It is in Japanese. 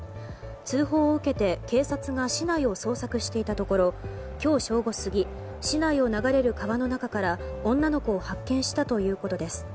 通報を受けて警察が市内を捜索していたところ今日正午過ぎ市内を流れる川の中から女の子を発見したということです。